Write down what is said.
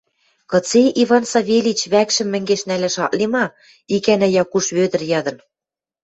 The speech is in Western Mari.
— Кыце, Иван Савельич, вӓкшӹм мӹнгеш нӓлӓш ак ли ма? — икӓнӓ Якуш Вӧдӹр ядын.